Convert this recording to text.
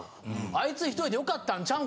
あいつ１人でよかったんちゃうんか？